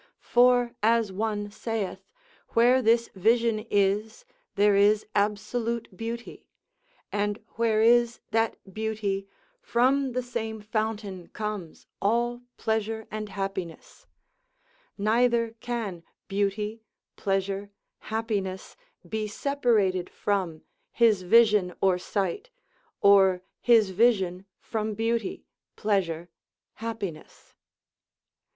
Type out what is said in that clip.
For as one saith, where this vision is, there is absolute beauty; and where is that beauty, from the same fountain comes all pleasure and happiness; neither can beauty, pleasure, happiness, be separated from his vision or sight, or his vision, from beauty, pleasure, happiness.